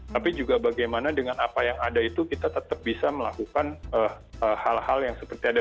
tapi juga bagaimana dengan apa yang ada itu kita tetap bisa melakukan hal hal yang seperti ada